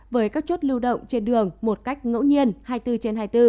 với các chốt lưu động trên đường một cách ngẫu nhiên hai mươi bốn trên hai mươi bốn